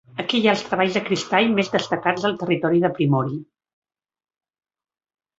Aquí hi ha els treballs de cristall més destacats del territori de Primórie.